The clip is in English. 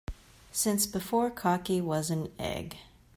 Since before cocky was an egg.